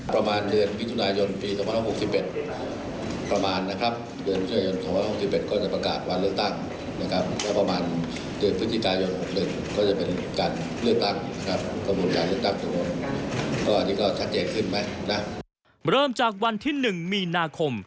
เริ่มจากวันที่๑มีนาคม